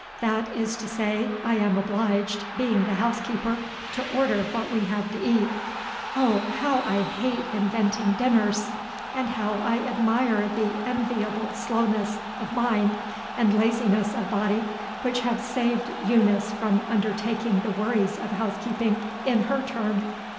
That is to say, I am obliged, being the housekeeper, to order what we have to eat. Oh, how I hate inventing dinners! and how I admire the enviable slowness of mind and laziness of body which have saved Eunice from undertaking the worries of housekeeping in her turn!